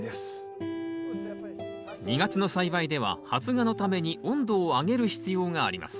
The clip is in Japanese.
２月の栽培では発芽のために温度を上げる必要があります。